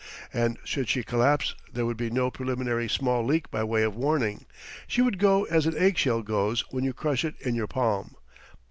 And should she collapse there would be no preliminary small leak by way of warning. She would go as an egg shell goes when you crush it in your palm.